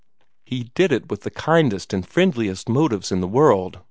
"He did it with the kindest and friendliest motives in the world!"